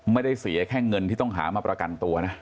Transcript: ไม่ได้เสียแค่เงินที่ต้องหามาประกันตัวนะ